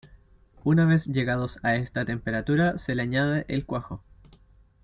Una vez llegados a esta temperatura se le añade el cuajo.